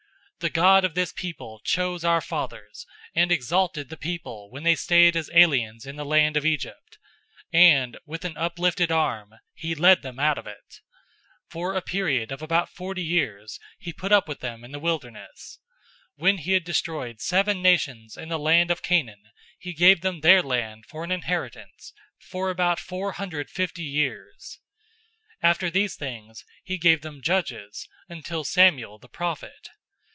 013:017 The God of this people{TR, NU add "Israel"} chose our fathers, and exalted the people when they stayed as aliens in the land of Egypt, and with an uplifted arm, he led them out of it. 013:018 For a period of about forty years he put up with them in the wilderness. 013:019 When he had destroyed seven nations in the land of Canaan, he gave them their land for an inheritance, for about four hundred fifty years. 013:020 After these things he gave them judges until Samuel the prophet.